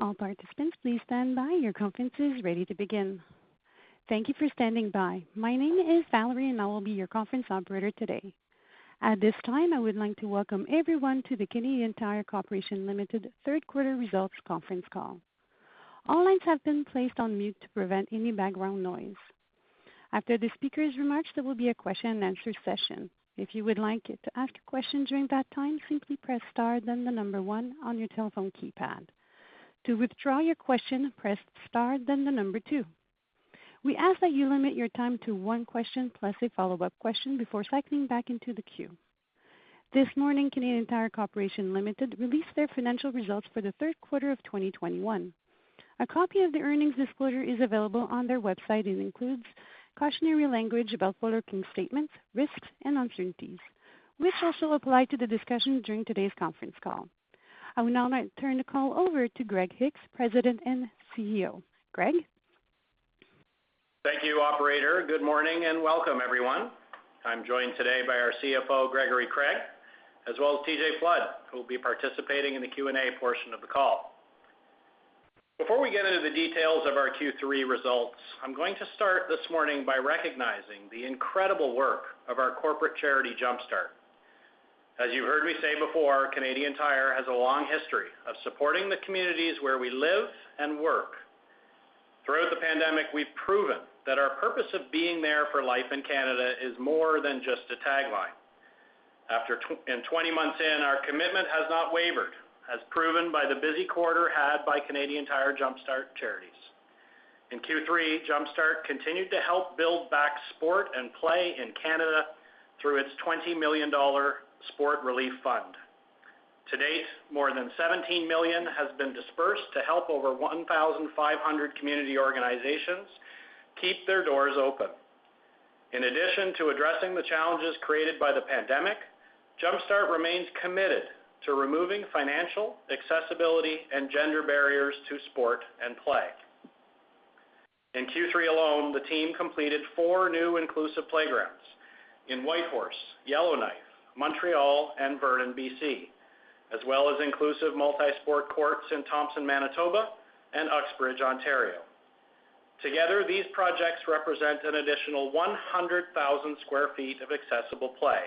All participants, please stand by. Your conference is ready to begin. Thank you for standing by. My name is Valerie, and I will be your conference operator today. At this time, I would like to welcome everyone to the Canadian Tire Corporation, Limited Third Quarter Results Conference Call. All lines have been placed on mute to prevent any background noise. After the speaker's remarks, there will be a question-and-answer session. If you would like to ask a question during that time, simply press star then the number one on your telephone keypad. To withdraw your question, press star then the number two. We ask that you limit your time to one question plus a follow-up question before cycling back into the queue. This morning, Canadian Tire Corporation, Limited released their financial results for the third quarter of 2021. A copy of the earnings disclosure is available on their website. It includes cautionary language about forward-looking statements, risks, and uncertainties, which also apply to the discussion during today's Conference Call. I will now turn the call over to Greg Hicks, President and CEO. Greg? Thank you, operator. Good morning and welcome, everyone. I'm joined today by our CFO, Gregory Craig, as well as TJ Flood, who will be participating in the Q&A portion of the call. Before we get into the details of our Q3 results, I'm going to start this morning by recognizing the incredible work of our corporate charity, Jumpstart. As you heard me say before, Canadian Tire has a long history of supporting the communities where we live and work. Throughout the pandemic, we've proven that our purpose of being there for life in Canada is more than just a tagline. After 20 months in, our commitment has not wavered, as proven by the busy quarter had by Canadian Tire Jumpstart Charities. In Q3, Jumpstart continued to help build back sport and play in Canada through its 20 million dollar sport relief fund. To date, more than 17 million has been dispersed to help over 1,500 community organizations keep their doors open. In addition to addressing the challenges created by the pandemic, Jumpstart remains committed to removing financial, accessibility, and gender barriers to sport and play. In Q3 alone, the team completed four new inclusive playgrounds in Whitehorse, Yellowknife, Montreal, and Vernon, BC, as well as inclusive multi-sport courts in Thompson, Manitoba, and Uxbridge, Ontario. Together, these projects represent an additional 100,000 sq ft of accessible play,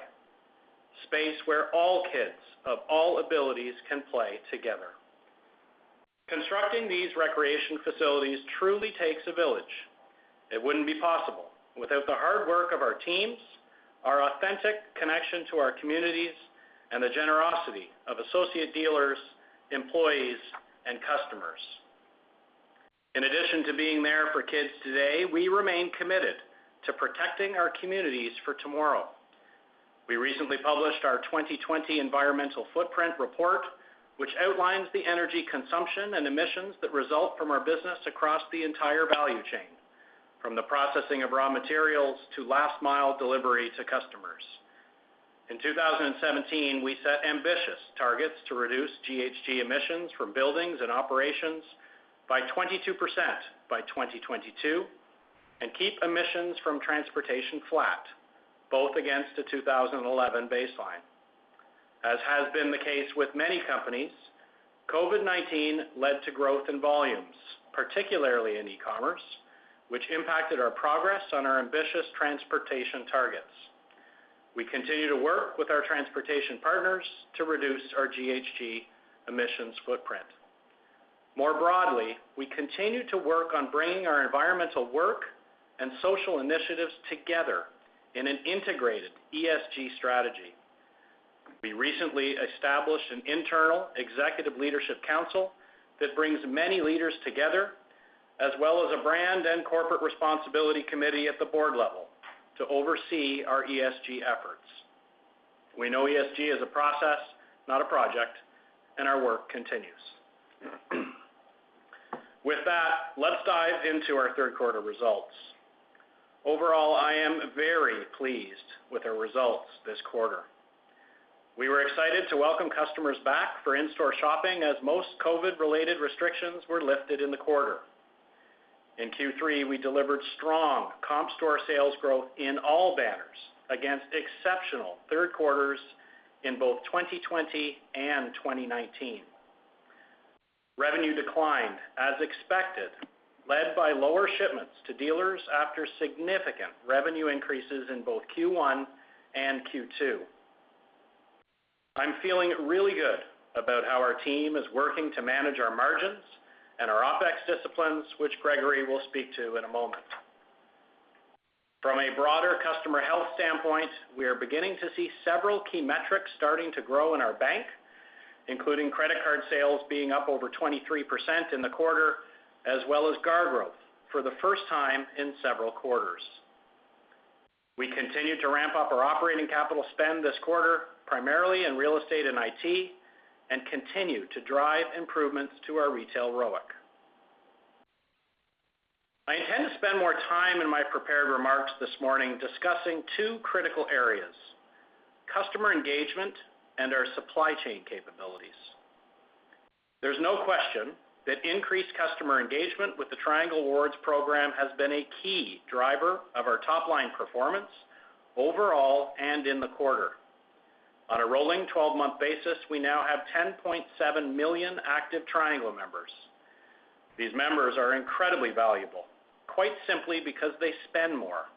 space where all kids of all abilities can play together. Constructing these recreation facilities truly takes a village. It wouldn't be possible without the hard work of our teams, our authentic connection to our communities, and the generosity of associate dealers, employees, and customers. In addition to being there for kids today, we remain committed to protecting our communities for tomorrow. We recently published our 2020 environmental footprint report, which outlines the energy consumption and emissions that result from our business across the entire value chain, from the processing of raw materials to last-mile delivery to customers. In 2017, we set ambitious targets to reduce GHG emissions from buildings and operations by 22% by 2022 and keep emissions from transportation flat, both against a 2011 baseline. As has been the case with many companies, COVID-19 led to growth in volumes, particularly in e-commerce, which impacted our progress on our ambitious transportation targets. We continue to work with our transportation partners to reduce our GHG emissions footprint. More broadly, we continue to work on bringing our environmental work and social initiatives together in an integrated ESG strategy. We recently established an internal executive leadership council that brings many leaders together, as well as a brand and corporate responsibility committee at the board level to oversee our ESG efforts. We know ESG is a process, not a project, and our work continues. With that, let's dive into our third quarter results. Overall, I am very pleased with our results this quarter. We were excited to welcome customers back for in-store shopping as most COVID-related restrictions were lifted in the quarter. In Q3, we delivered strong comp store sales growth in all banners against exceptional third quarters in both 2020 and 2019. Revenue declined as expected, led by lower shipments to dealers after significant revenue increases in both Q1 and Q2. I'm feeling really good about how our team is working to manage our margins and our OpEx disciplines, which Gregory will speak to in a moment. From a broader customer health standpoint, we are beginning to see several key metrics starting to grow in our bank, including credit card sales being up over 23% in the quarter, as well as GAR growth for the first time in several quarters. We continue to ramp up our operating capital spend this quarter, primarily in real estate and IT, and continue to drive improvements to our retail ROIC. I intend to spend more time in my prepared remarks this morning discussing two critical areas, customer engagement and our supply chain capabilities. There's no question that increased customer engagement with the Triangle Rewards program has been a key driver of our top-line performance overall and in the quarter. On a rolling 12-month basis, we now have 10.7 million active Triangle members. These members are incredibly valuable, quite simply because they spend more.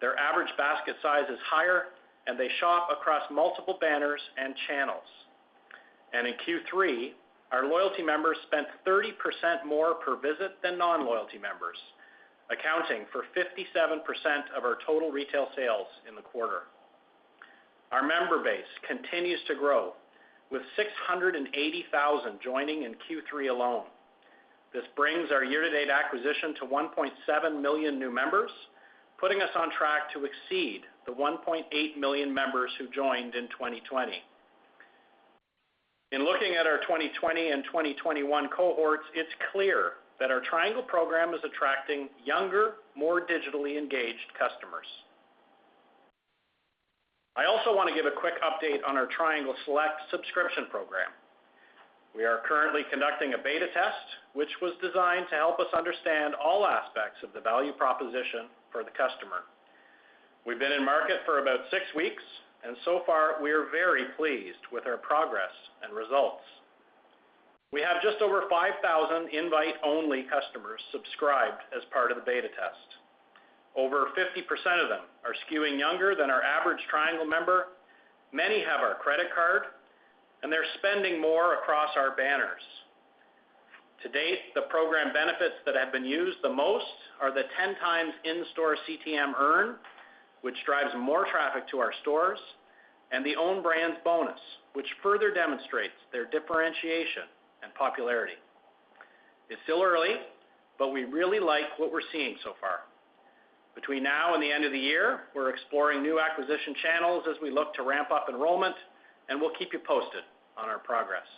Their average basket size is higher, and they shop across multiple banners and channels. In Q3, our loyalty members spent 30% more per visit than non-loyalty members, accounting for 57% of our total retail sales in the quarter. Our member base continues to grow with 680,000 joining in Q3 alone. This brings our year-to-date acquisition to 1.7 million new members, putting us on track to exceed the 1.8 million members who joined in 2020. In looking at our 2020 and 2021 cohorts, it's clear that our Triangle program is attracting younger, more digitally engaged customers. I also want to give a quick update on our Triangle Select subscription program. We are currently conducting a beta test, which was designed to help us understand all aspects of the value proposition for the customer. We've been in market for about six weeks, and so far we are very pleased with our progress and results. We have just over 5,000 invite-only customers subscribed as part of the beta test. Over 50% of them are skewing younger than our average Triangle member, many have our credit card, and they're spending more across our banners. To date, the program benefits that have been used the most are the 10 times in-store CTM earn, which drives more traffic to our stores, and the own brands bonus, which further demonstrates their differentiation and popularity. It's still early, but we really like what we're seeing so far. Between now and the end of the year, we're exploring new acquisition channels as we look to ramp up enrollment, and we'll keep you posted on our progress.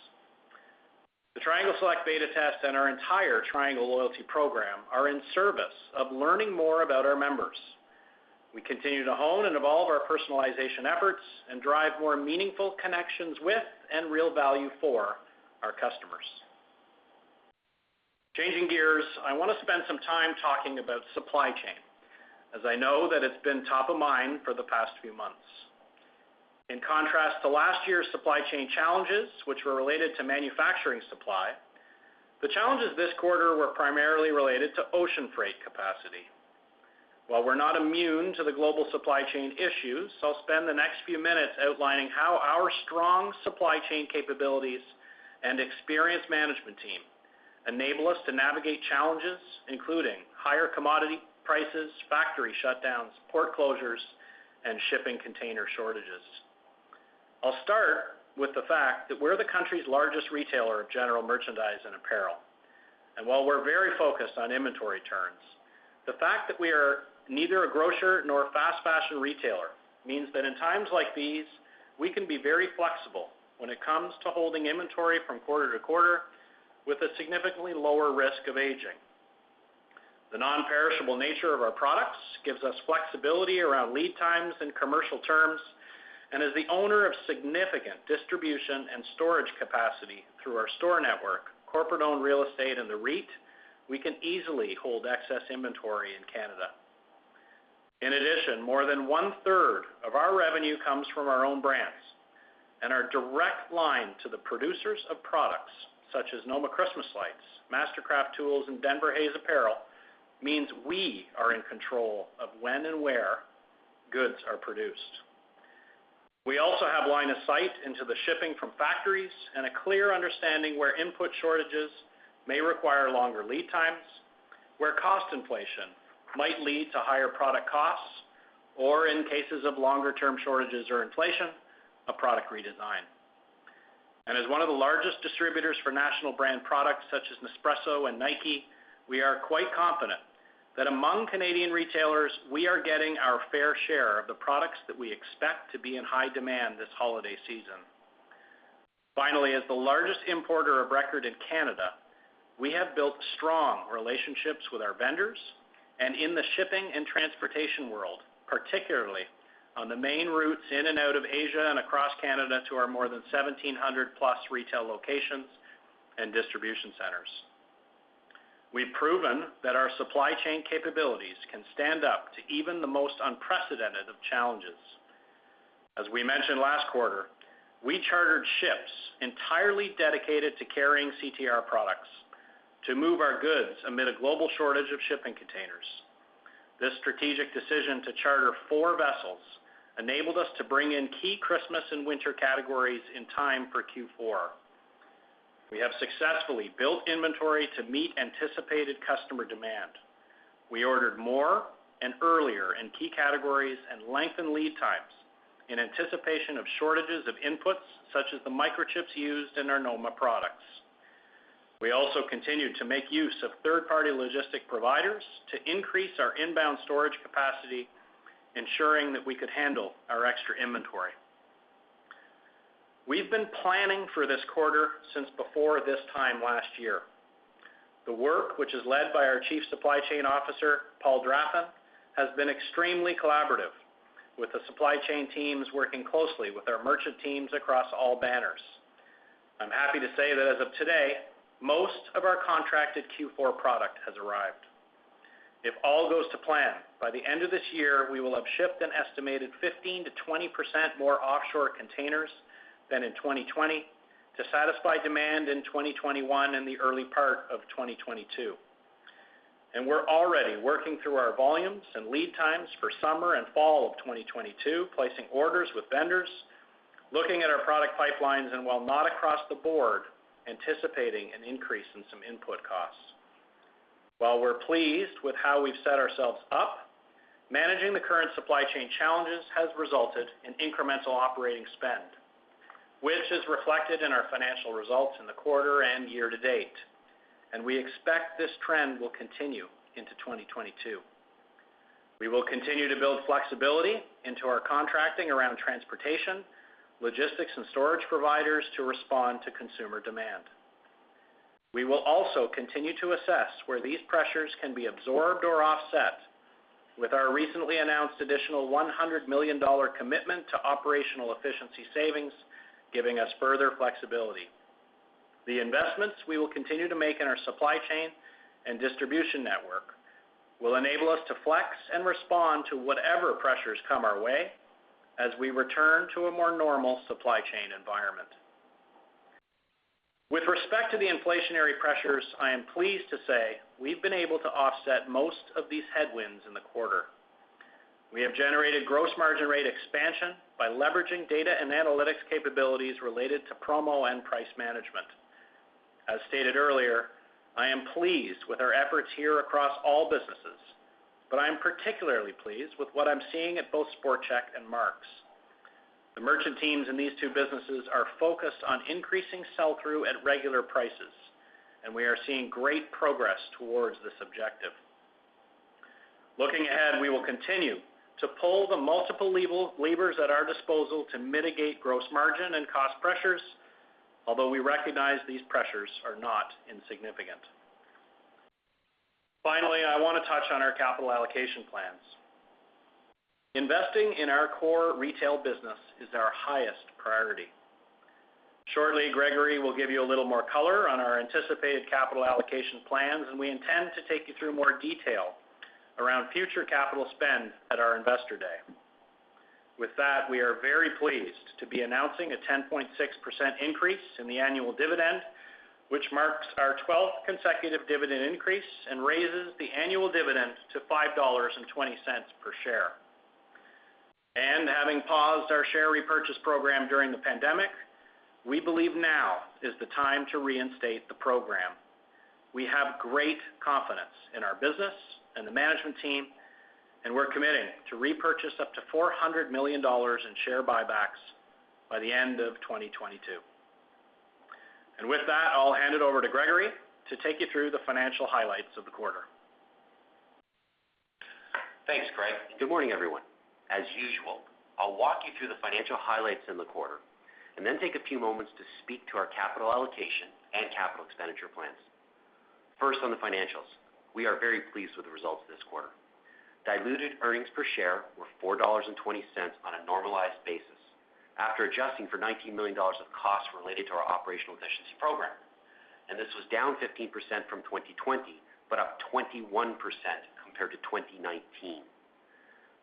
The Triangle Select beta test and our entire Triangle loyalty program are in service of learning more about our members. We continue to hone and evolve our personalization efforts and drive more meaningful connections with and real value for our customers. Changing gears, I want to spend some time talking about supply chain, as I know that it's been top of mind for the past few months. In contrast to last year's supply chain challenges, which were related to manufacturing supply, the challenges this quarter were primarily related to ocean freight capacity. While we're not immune to the global supply chain issues, I'll spend the next few minutes outlining how our strong supply chain capabilities and experienced management team enable us to navigate challenges, including higher commodity prices, factory shutdowns, port closures, and shipping container shortages. I'll start with the fact that we're the country's largest retailer of general merchandise and apparel. While we're very focused on inventory turns, the fact that we are neither a grocer nor a fast fashion retailer means that in times like these, we can be very flexible when it comes to holding inventory from quarter to quarter with a significantly lower risk of aging. The non-perishable nature of our products gives us flexibility around lead times and commercial terms, and as the owner of significant distribution and storage capacity through our store network, corporate-owned real estate and the REIT, we can easily hold excess inventory in Canada. In addition, more than 1/3 of our revenue comes from our own brands, and our direct line to the producers of products such as NOMA Christmas lights, Mastercraft tools, and Denver Hayes apparel means we are in control of when and where goods are produced. We also have line of sight into the shipping from factories and a clear understanding where input shortages may require longer lead times, where cost inflation might lead to higher product costs, or in cases of longer-term shortages or inflation, a product redesign. As one of the largest distributors for national brand products such as Nespresso and Nike, we are quite confident that among Canadian retailers, we are getting our fair share of the products that we expect to be in high demand this holiday season. Finally, as the largest importer of record in Canada, we have built strong relationships with our vendors and in the shipping and transportation world, particularly on the main routes in and out of Asia and across Canada to our more than 1,700 retail locations and distribution centers. We've proven that our supply chain capabilities can stand up to even the most unprecedented of challenges. As we mentioned last quarter, we chartered ships entirely dedicated to carrying CTR products to move our goods amid a global shortage of shipping containers. This strategic decision to charter four vessels enabled us to bring in key Christmas and winter categories in time for Q4. We have successfully built inventory to meet anticipated customer demand. We ordered more and earlier in key categories and lengthened lead times in anticipation of shortages of inputs such as the microchips used in our NOMA products. We also continued to make use of third-party logistic providers to increase our inbound storage capacity, ensuring that we could handle our extra inventory. We've been planning for this quarter since before this time last year. The work, which is led by our Chief Supply Chain Officer, Paul Draffin, has been extremely collaborative with the supply chain teams working closely with our merchant teams across all banners. I'm happy to say that as of today, most of our contracted Q4 product has arrived. If all goes to plan, by the end of this year, we will have shipped an estimated 15%-20% more offshore containers than in 2020 to satisfy demand in 2021 and the early part of 2022. We're already working through our volumes and lead times for summer and fall of 2022, placing orders with vendors, looking at our product pipelines, and while not across the board, anticipating an increase in some input costs. While we're pleased with how we've set ourselves up, managing the current supply chain challenges has resulted in incremental operating spend, which is reflected in our financial results in the quarter and year to date. We expect this trend will continue into 2022. We will continue to build flexibility into our contracting around transportation, logistics, and storage providers to respond to consumer demand. We will also continue to assess where these pressures can be absorbed or offset with our recently announced additional 100 million dollar commitment to operational efficiency savings, giving us further flexibility. The investments we will continue to make in our supply chain and distribution network will enable us to flex and respond to whatever pressures come our way as we return to a more normal supply chain environment. With respect to the inflationary pressures, I am pleased to say we've been able to offset most of these headwinds in the quarter. We have generated gross margin rate expansion by leveraging data and analytics capabilities related to promo and price management. As stated earlier, I am pleased with our efforts here across all businesses, but I am particularly pleased with what I'm seeing at both Sport Chek and Mark's. The merchant teams in these two businesses are focused on increasing sell-through at regular prices, and we are seeing great progress towards this objective. Looking ahead, we will continue to pull the multiple levers at our disposal to mitigate gross margin and cost pressures, although we recognize these pressures are not insignificant. Finally, I wanna touch on our capital allocation plans. Investing in our core retail business is our highest priority. Shortly, Gregory will give you a little more color on our anticipated capital allocation plans, and we intend to take you through more detail around future capital spend at our investor day. With that, we are very pleased to be announcing a 10.6% increase in the annual dividend, which marks our twelfth consecutive dividend increase and raises the annual dividend to 5.20 dollars per share. Having paused our share repurchase program during the pandemic, we believe now is the time to reinstate the program. We have great confidence in our business and the management team, and we're committing to repurchase up to 400 million dollars in share buybacks by the end of 2022. With that, I'll hand it over to Gregory to take you through the financial highlights of the quarter. Thanks, Greg. Good morning, everyone. As usual, I'll walk you through the financial highlights in the quarter and then take a few moments to speak to our capital allocation and capital expenditure plans. First on the financials. We are very pleased with the results this quarter. Diluted earnings per share were 4.20 dollars on a normalized basis after adjusting for 19 million dollars of costs related to our operational efficiency program. This was down 15% from 2020, but up 21% compared to 2019.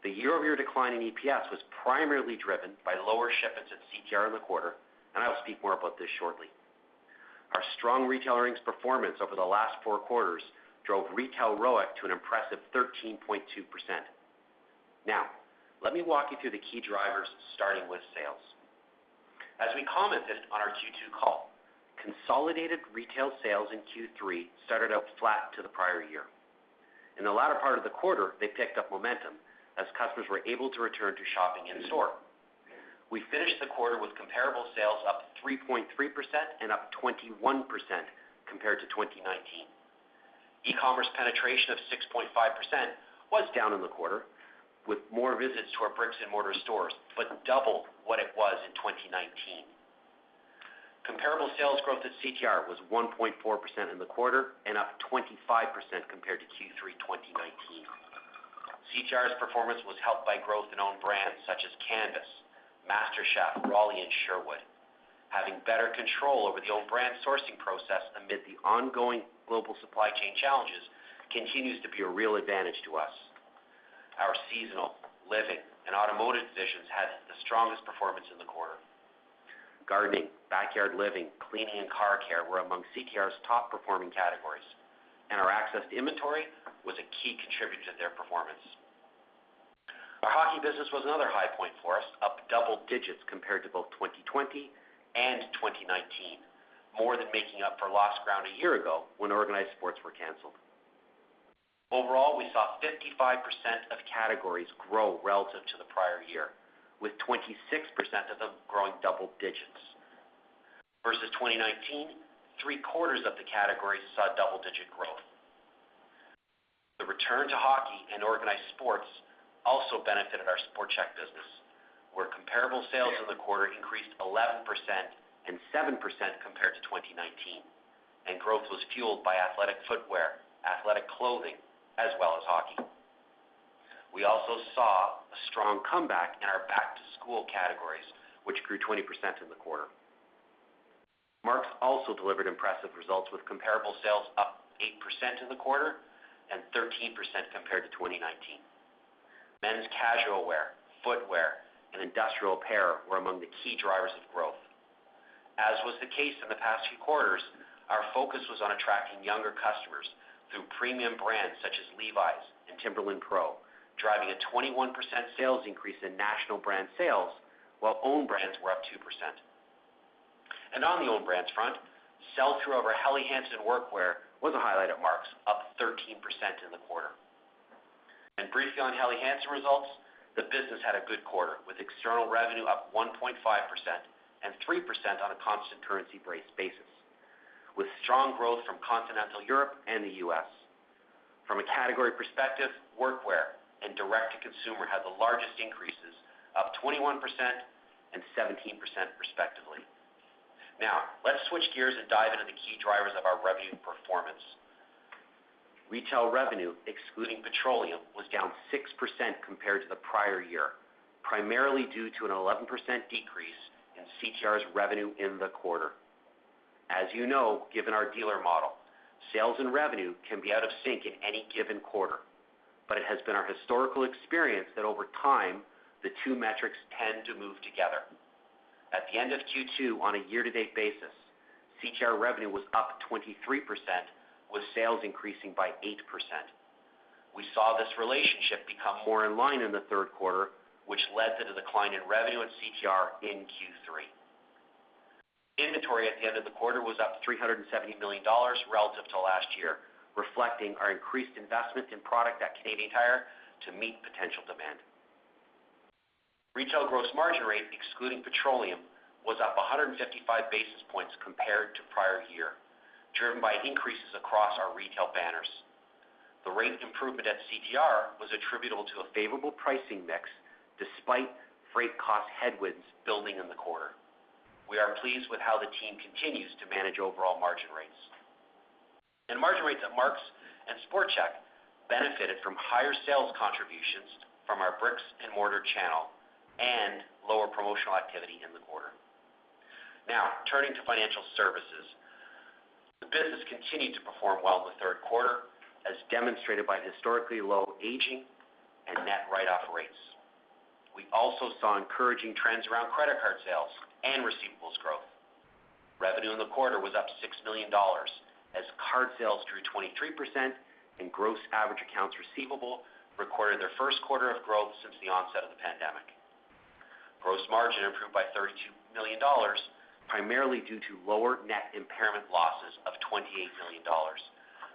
The year-over-year decline in EPS was primarily driven by lower shipments at CTR in the quarter, and I'll speak more about this shortly. Our strong retail earnings performance over the last four quarters drove retail ROIC to an impressive 13.2%. Now, let me walk you through the key drivers, starting with sales. As we commented on our Q2 call, consolidated retail sales in Q3 started out flat to the prior year. In the latter part of the quarter, they picked up momentum as customers were able to return to shopping in-store. We finished the quarter with comparable sales up 3.3% and up 21% compared to 2019. e-commerce penetration of 6.5% was down in the quarter with more visits to our bricks-and-mortar stores, but double what it was in 2019. Comparable sales growth at CTR was 1.4% in the quarter and up 25% compared to Q3 2019. CTR's performance was helped by growth in own brands such as CANVAS, MASTER Chef, Raleigh, and Sherwood. Having better control over the own brand sourcing process amid the ongoing global supply chain challenges continues to be a real advantage to us. Our seasonal, living, and automotive divisions had the strongest performance in the quarter. Gardening, backyard living, cleaning, and car care were among CTR's top performing categories, and our access to inventory was a key contributor to their performance. Our hockey business was another high point for us, up double digits compared to both 2020 and 2019, more than making up for lost ground a year ago when organized sports were canceled. Overall, we saw 55% of categories grow relative to the prior year, with 26% of them growing double digits. Versus 2019, three-quarters of the categories saw double-digit growth. The return to hockey and organized sports also benefited our Sport Chek business, where comparable sales in the quarter increased 11% and 7% compared to 2019, and growth was fueled by athletic footwear, athletic clothing, as well as hockey. We also saw a strong comeback in our back-to-school categories, which grew 20% in the quarter. Mark's also delivered impressive results with comparable sales up 8% in the quarter and 13% compared to 2019. Men's casual wear, footwear, and industrial wear were among the key drivers of growth. As was the case in the past few quarters, our focus was on attracting younger customers through premium brands such as Levi's and Timberland PRO, driving a 21% sales increase in national brand sales while own brands were up 2%. On the own brands front, sell-through over Helly Hansen Workwear was a highlight at Mark's, up 13% in the quarter. Briefly on Helly Hansen results, the business had a good quarter, with external revenue up 1.5% and 3% on a constant currency-based basis, with strong growth from continental Europe and the U.S. From a category perspective, workwear and direct-to-consumer had the largest increases, up 21% and 17% respectively. Now, let's switch gears and dive into the key drivers of our revenue performance. Retail revenue, excluding petroleum, was down 6% compared to the prior year, primarily due to an 11% decrease in CTR's revenue in the quarter. As you know, given our dealer model, sales and revenue can be out of sync in any given quarter, but it has been our historical experience that over time, the two metrics tend to move together. At the end of Q2, on a year-to-date basis, CTR revenue was up 23%, with sales increasing by 8%. We saw this relationship become more in line in the third quarter, which led to the decline in revenue and CTR in Q3. Inventory at the end of the quarter was up 370 million dollars relative to last year, reflecting our increased investment in product at Canadian Tire to meet potential demand. Retail gross margin rate, excluding petroleum, was up 155 basis points compared to prior year, driven by increases across our retail banners. The rate improvement at CTR was attributable to a favorable pricing mix despite freight cost headwinds building in the quarter. We are pleased with how the team continues to manage overall margin rates. Margin rates at Mark's and Sport Chek benefited from higher sales contributions from our bricks and mortar channel and lower promotional activity in the quarter. Now, turning to financial services. The business continued to perform well in the third quarter, as demonstrated by historically low aging and net write-off rates. We also saw encouraging trends around credit card sales and receivables growth. Revenue in the quarter was up 6 million dollars as card sales grew 23% and gross average accounts receivable recorded their first quarter of growth since the onset of the pandemic. Gross margin improved by 32 million dollars, primarily due to lower net impairment losses of 28 million dollars,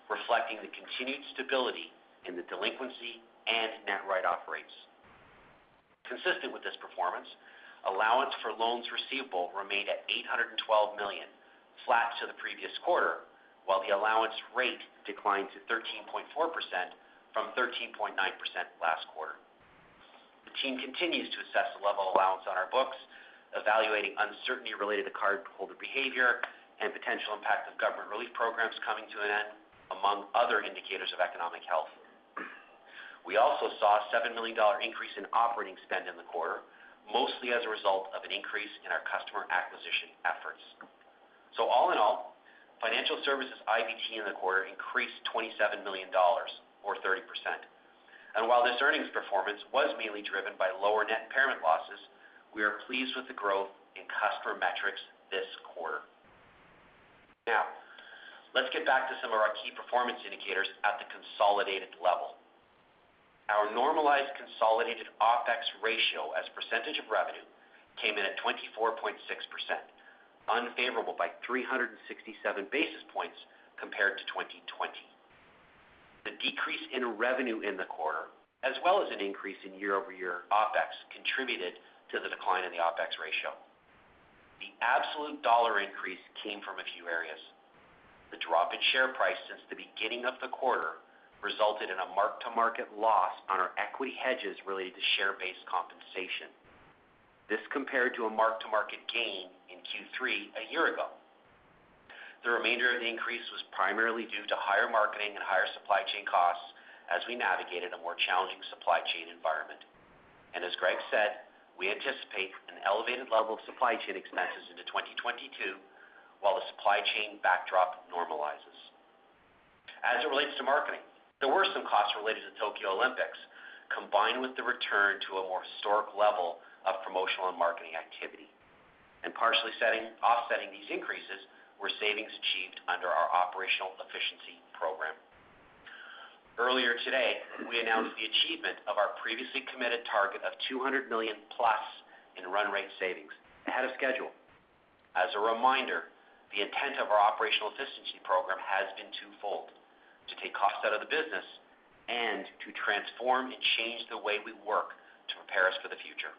reflecting the continued stability in the delinquency and net write-off rates. Consistent with this performance, allowance for loans receivable remained at 812 million, flat to the previous quarter, while the allowance rate declined to 13.4% from 13.9% last quarter. The team continues to assess the level of allowance on our books, evaluating uncertainty related to cardholder behavior and potential impact of government relief programs coming to an end, among other indicators of economic health. We also saw a 7 million dollar increase in operating spend in the quarter, mostly as a result of an increase in our customer acquisition efforts. All in all, Financial Services IBT in the quarter increased 27 million dollars or 30%. While this earnings performance was mainly driven by lower net impairment losses, we are pleased with the growth in customer metrics this quarter. Now, let's get back to some of our key performance indicators at the consolidated level. Our normalized consolidated OpEx ratio as a percentage of revenue came in at 24.6%, unfavorable by 367 basis points compared to 2020. The decrease in revenue in the quarter, as well as an increase in year-over-year OpEx, contributed to the decline in the OpEx ratio. The absolute dollar increase came from a few areas. The drop in share price since the beginning of the quarter resulted in a mark-to-market loss on our equity hedges related to share-based compensation. This compared to a mark-to-market gain in Q3 a year ago. The remainder of the increase was primarily due to higher marketing and higher supply chain costs as we navigated a more challenging supply chain environment. As Greg said, we anticipate an elevated level of supply chain expenses into 2022 while the supply chain backdrop normalizes. As it relates to marketing, there were some costs related to Tokyo Olympics, combined with the return to a more historic level of promotional and marketing activity. Partially offsetting these increases were savings achieved under our operational efficiency program. Earlier today, we announced the achievement of our previously committed target of 200 million-plus in run rate savings ahead of schedule. As a reminder, the intent of our operational efficiency program has been twofold, to take costs out of the business and to transform and change the way we work to prepare us for the future.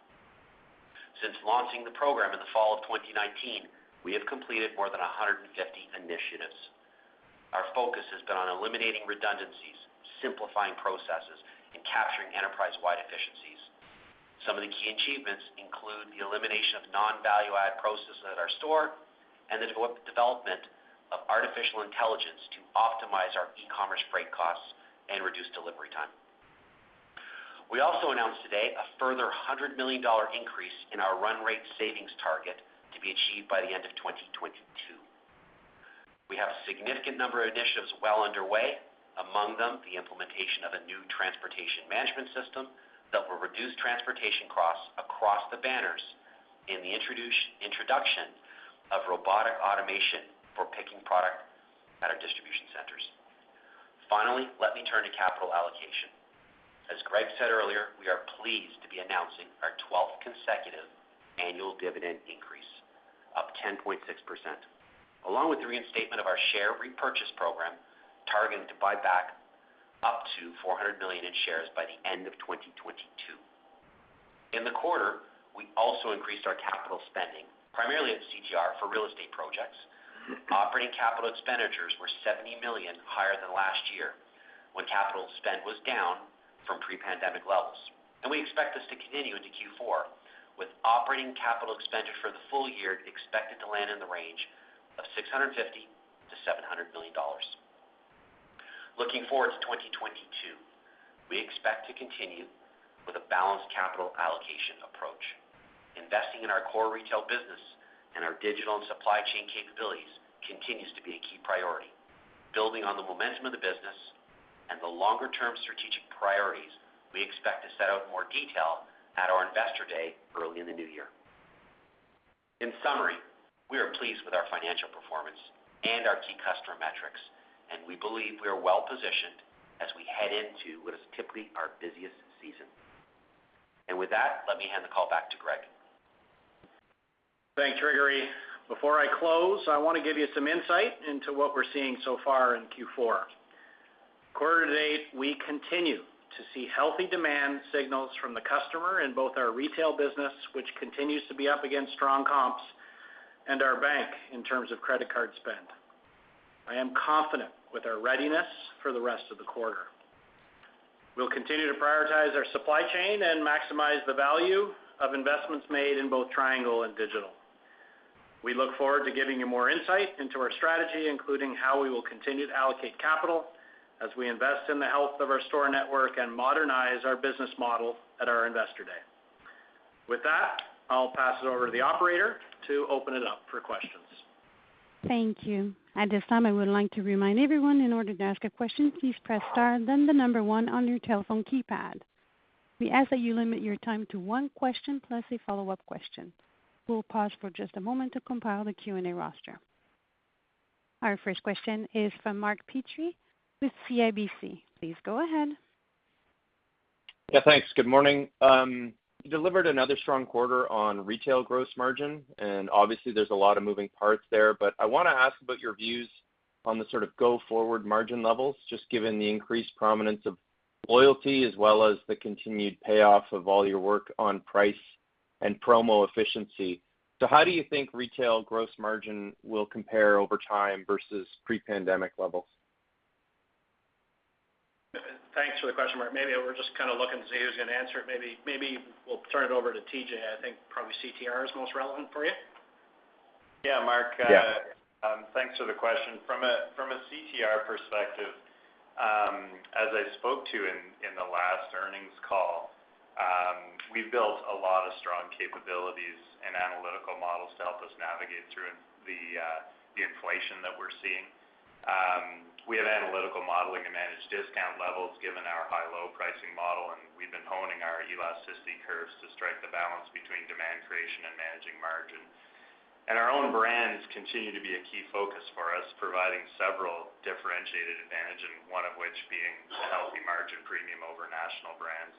Since launching the program in the fall of 2019, we have completed more than 150 initiatives. Our focus has been on eliminating redundancies, simplifying processes, and capturing enterprise-wide efficiencies. Some of the key achievements include the elimination of non-value-add processes at our store and the development of artificial intelligence to optimize our e-commerce freight costs and reduce delivery time. We also announced today a further 100 million dollar increase in our run rate savings target to be achieved by the end of 2022. We have a significant number of initiatives well underway, among them the implementation of a new transportation management system that will reduce transportation costs across the banners and the introduction of robotic automation for picking product at our distribution centers. Finally, let me turn to capital allocation. As Greg said earlier, we are pleased to be announcing our 12th consecutive annual dividend increase up 10.6%, along with the reinstatement of our share repurchase program, targeting to buy back up to 400 million in shares by the end of 2022. In the quarter, we also increased our capital spending, primarily at CTR for real estate projects. Operating capital expenditures were 70 million higher than last year, when capital spend was down from pre-pandemic levels. We expect this to continue into Q4, with operating capital expenditure for the full year expected to land in the range of 650 million-700 million dollars. Looking forward to 2022, we expect to continue with a balanced capital allocation approach. Investing in our core retail business and our digital and supply chain capabilities continues to be a key priority, building on the momentum of the business and the longer-term strategic priorities we expect to set out in more detail at our Investor Day early in the new year. In summary, we are pleased with our financial performance and our key customer metrics, and we believe we are well positioned as we head into what is typically our busiest season. With that, let me hand the call back to Greg. Thanks, Gregory. Before I close, I want to give you some insight into what we're seeing so far in Q4. Quarter-to-date, we continue to see healthy demand signals from the customer in both our retail business, which continues to be up against strong comps, and our bank in terms of credit card spend. I am confident with our readiness for the rest of the quarter. We'll continue to prioritize our supply chain and maximize the value of investments made in both Triangle and digital. We look forward to giving you more insight into our strategy, including how we will continue to allocate capital as we invest in the health of our store network and modernize our business model at our Investor Day. With that, I'll pass it over to the operator to open it up for questions. Thank you. At this time, I would like to remind everyone in order to ask a question, please press star, then the number one on your telephone keypad. We ask that you limit your time to one question plus a follow-up question. We'll pause for just a moment to compile the Q&A roster. Our first question is from Mark Petrie with CIBC. Please go ahead. Yeah, thanks. Good morning. You delivered another strong quarter on retail gross margin, and obviously there's a lot of moving parts there. I want to ask about your views on the sort of go-forward margin levels, just given the increased prominence of loyalty as well as the continued payoff of all your work on price and promo efficiency. How do you think retail gross margin will compare over time versus pre-pandemic levels? Thanks for the question, Mark. Maybe we're just kind of looking to see who's going to answer it. Maybe, maybe we'll turn it over to TJ. I think probably CTR is most relevant for you. Yeah, Mark. Yeah Thanks for the question. From a CTR perspective, as I spoke to in the last earnings call, we've built a lot of strong capabilities and analytical models to help us navigate through the inflation that we're seeing. We have analytical modeling and managed discount levels given our high-low pricing model, and we've been honing our elasticity curves to strike the balance between demand creation and managing margin. Our own brands continue to be a key focus for us, providing several differentiated advantage, and one of which being the healthy margin premium over national brands.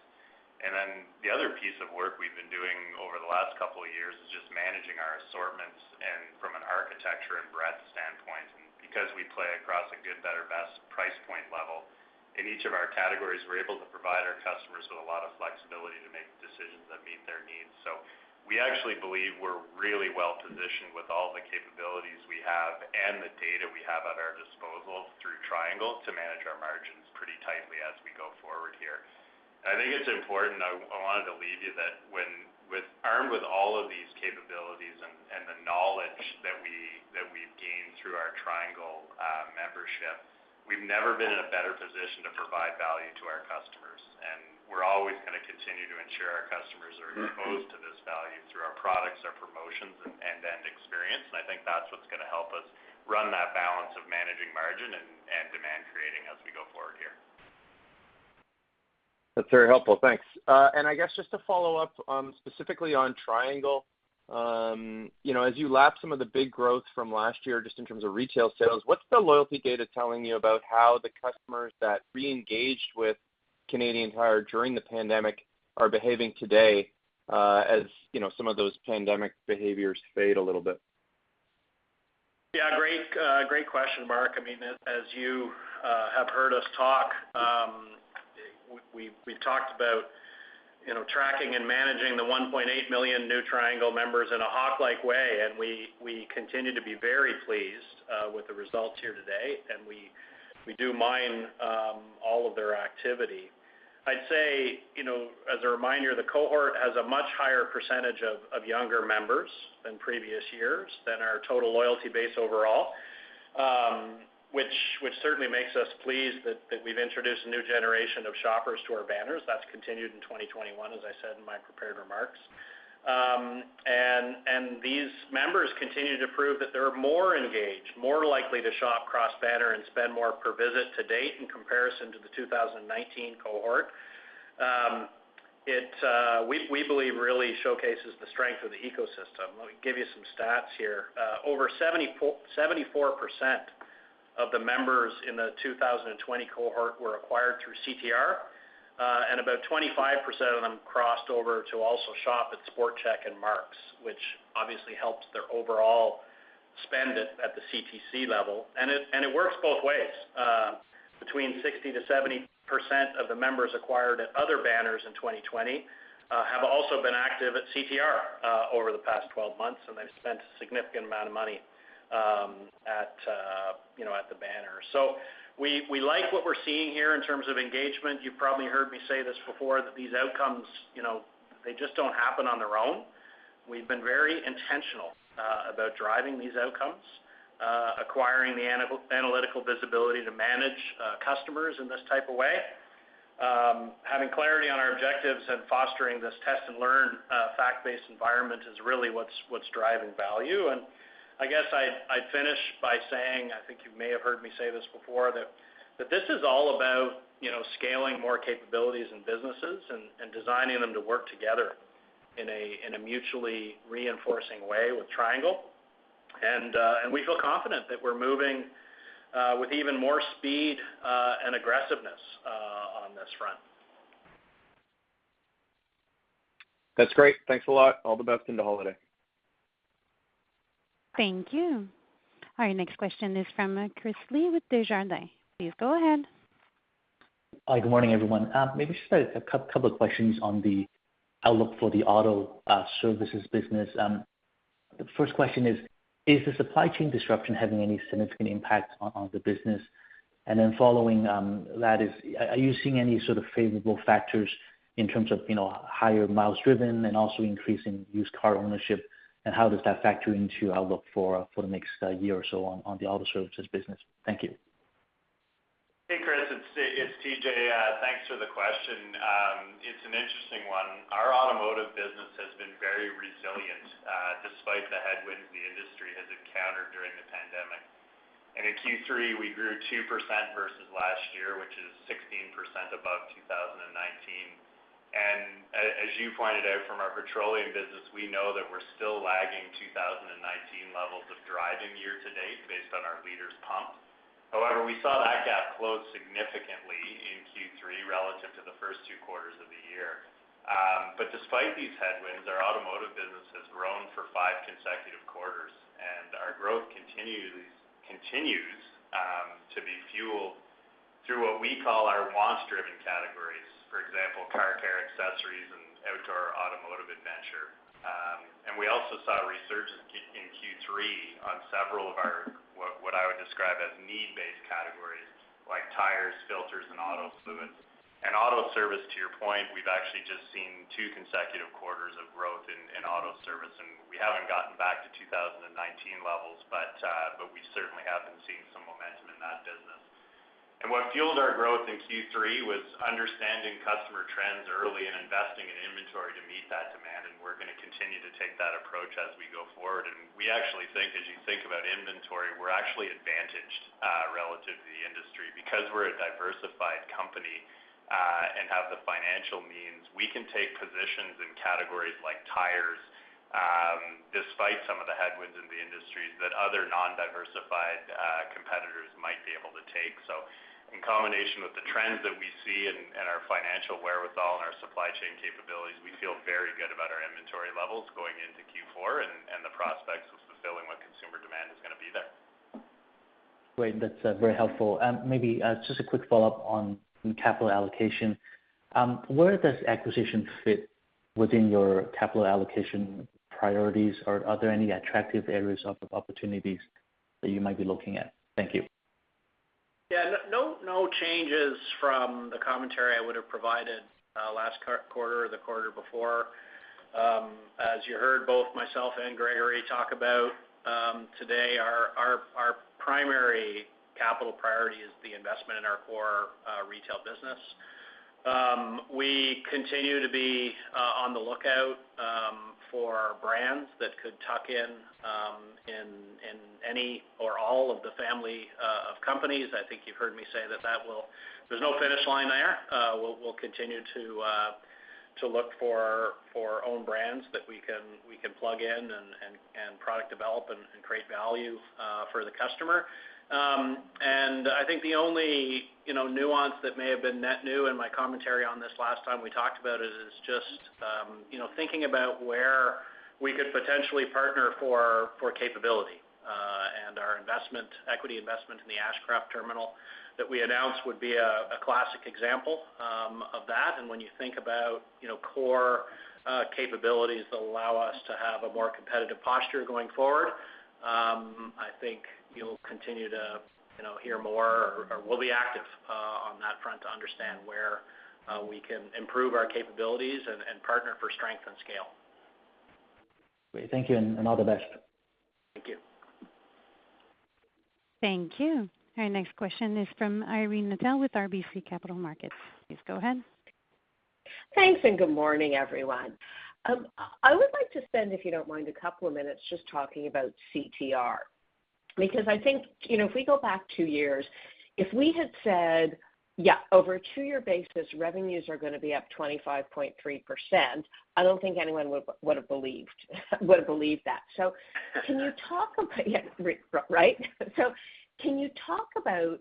Then the other piece of work we've been doing over the last couple of years is just managing our assortments and from an architecture and breadth standpoint. Because we play across a good, better, best price point level in each of our categories, we're able to provide our customers with a lot of flexibility to make decisions that meet their needs. We actually believe we're really well positioned with all the capabilities we have and the data we have at our disposal through Triangle to manage our margins pretty tightly as we go forward here. I think it's important. I wanted to leave you armed with all of these capabilities and the knowledge that we've gained through our Triangle membership. We've never been in a better position to provide value to our customers. We're always going to continue to ensure our customers are exposed to this value through our products, our promotions and end experience. I think that's what's going to help us run that balance of managing margin and demand creating as we go forward here. That's very helpful. Thanks. I guess just to follow up, specifically on Triangle, you know, as you lap some of the big growth from last year just in terms of retail sales, what's the loyalty data telling you about how the customers that re-engaged with Canadian Tire during the pandemic are behaving today, as you know, some of those pandemic behaviors fade a little bit? Yeah, great question, Mark. I mean, as you have heard us talk, we've talked about, you know, tracking and managing the 1.8 million new Triangle members in a hawk-like way, and we continue to be very pleased with the results here today, and we do mine all of their activity. I'd say, you know, as a reminder, the cohort has a much higher percentage of younger members than previous years than our total loyalty base overall. Which certainly makes us pleased that we've introduced a new generation of shoppers to our banners. That's continued in 2021, as I said in my prepared remarks. These members continue to prove that they are more engaged, more likely to shop cross-banner and spend more per visit to date in comparison to the 2019 cohort. It really showcases the strength of the ecosystem. Let me give you some stats here. Over 74% of the members in the 2020 cohort were acquired through CTR, and about 25% of them crossed over to also shop at Sport Chek and Mark's, which obviously helps their overall spend at the CTC level. It works both ways. Between 60%-70% of the members acquired at other banners in 2020 have also been active at CTR over the past 12 months, and they've spent a significant amount of money, you know, at the banner. We like what we're seeing here in terms of engagement. You've probably heard me say this before that these outcomes, you know, they just don't happen on their own. We've been very intentional about driving these outcomes, acquiring the analytical visibility to manage customers in this type of way. Having clarity on our objectives and fostering this test-and-learn, fact-based environment is really what's driving value. I guess I'd finish by saying, I think you may have heard me say this before, that this is all about, you know, scaling more capabilities and businesses and designing them to work together in a mutually reinforcing way with Triangle. We feel confident that we're moving with even more speed and aggressiveness on this front. That's great. Thanks a lot. All the best in the holiday. Thank you. Our next question is from Chris Li with Desjardins. Please go ahead. Hi, good morning, everyone. Maybe just a couple of questions on the outlook for the auto services business. The first question is the supply chain disruption having any significant impact on the business? Following that, are you seeing any sort of favorable factors in terms of, you know, higher miles driven and also increase in used car ownership, and how does that factor into outlook for the next year or so on the auto services business? Thank you. Hey, Chris, it's TJ. Thanks for the question. It's an interesting one. Our automotive business has been very resilient, despite the headwinds the industry has encountered during the pandemic. In Q3, we grew 2% versus last year, which is 16% above 2019. As you pointed out in our petroleum business, we know that we're still lagging 2019 levels of driving year to date based on our liters pumped. However, we saw that gap close significantly in Q3 relative to the first two quarters of the year. Despite these headwinds, our automotive business has grown for five consecutive quarters, and our growth continues to be fueled through what we call our wants-driven categories. For example, car care, accessories, and outdoor automotive adventure. We also saw a resurgence in Q3 on several of our, what I would describe as need-based categories, like tires, filters, and auto fluids. Auto service, to your point, we've actually just seen two consecutive quarters of growth in auto service, and we haven't gotten back to 2019 levels, but we certainly have been seeing some momentum in that business. What fueled our growth in Q3 was understanding customer trends early and investing in inventory to meet that demand, and we're gonna continue to take that approach as we go forward. We actually think as you think about inventory, we're actually advantaged relative to the industry. Because we're a diversified company and have the financial means, we can take positions in categories like tires, despite some of the headwinds in the industries that other non-diversified competitors might be able to take. In combination with the trends that we see and our financial wherewithal and our supply chain capabilities, we feel very good about our inventory levels going into Q4 and the prospects of fulfilling what consumer demand is gonna be there. Great. That's very helpful. Maybe just a quick follow-up on capital allocation. Where does acquisition fit within your capital allocation priorities? Or are there any attractive areas of opportunities that you might be looking at? Thank you. Yeah. No changes from the commentary I would have provided last quarter or the quarter before. As you heard both myself and Gregory talk about today, our primary capital priority is the investment in our core retail business. We continue to be on the lookout for brands that could tuck in in any or all of the family of companies. I think you've heard me say that that will. There's no finish line there. We'll continue to look for own brands that we can plug in and product develop and create value for the customer. I think the only, you know, nuance that may have been net new in my commentary on this last time we talked about it is just, you know, thinking about where we could potentially partner for capability. Our investment, equity investment in the Ashcroft terminal that we announced would be a classic example. When you think about, you know, core capabilities that allow us to have a more competitive posture going forward, I think you'll continue to, you know, hear more or we'll be active, on that front to understand where we can improve our capabilities and partner for strength and scale. Great. Thank you, and all the best. Thank you. Thank you. Our next question is from Irene Nattel with RBC Capital Markets. Please go ahead. Thanks and good morning, everyone. I would like to spend, if you don't mind, a couple of minutes just talking about CTR. Because I think, you know, if we go back two years, if we had said, yeah, over a two-year basis, revenues are gonna be up 25.3%, I don't think anyone would have believed that. So can you talk about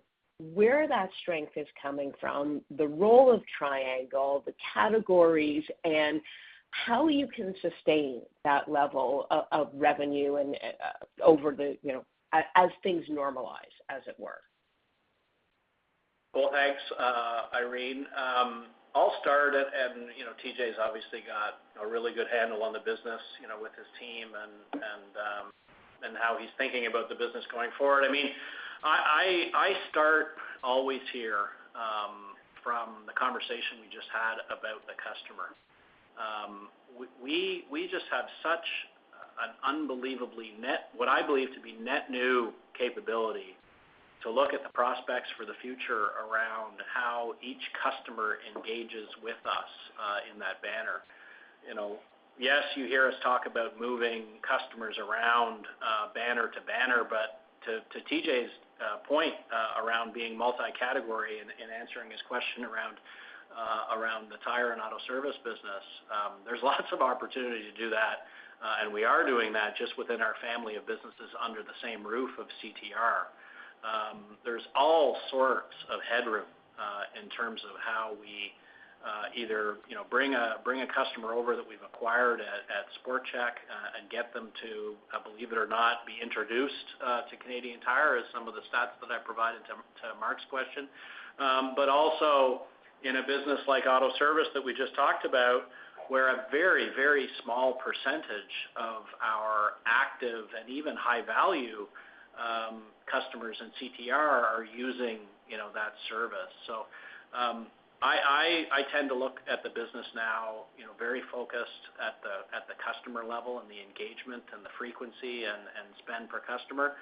where that strength is coming from, the role of Triangle, the categories, and how you can sustain that level of revenue and, you know, as things normalize, as it were? Well, thanks, Irene. I'll start, and you know, TJ's obviously got a really good handle on the business, you know, with his team and how he's thinking about the business going forward. I mean, I start always here from the conversation we just had about the customer. We just have such an unbelievable net new capability to look at the prospects for the future around how each customer engages with us in that banner. You know, yes, you hear us talk about moving customers around, banner to banner. To TJ's point around being multi-category and answering his question around the tire and auto service business, there's lots of opportunity to do that, and we are doing that just within our family of businesses under the same roof of CTR. There's all sorts of headroom in terms of how we either you know bring a customer over that we've acquired at Sport Chek and get them to believe it or not be introduced to Canadian Tire as some of the stats that I provided to Mark's question. Also in a business like auto service that we just talked about, where a very small percentage of our active and even high-value customers in CTR are using you know that service. I tend to look at the business now, you know, very focused at the customer level and the engagement and the frequency and spend per customer.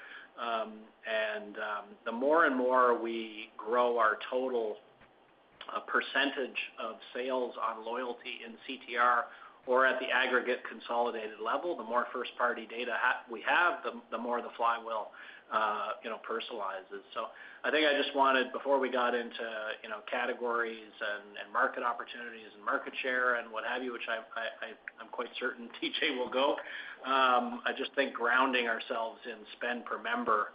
The more and more we grow our total percentage of sales on loyalty in CTR or at the aggregate consolidated level, the more first-party data we have, the more the flywheel, you know, personalizes. I think I just wanted, before we got into, you know, categories and market opportunities and market share and what have you, which I'm quite certain TJ will go. I just think grounding ourselves in spend per member,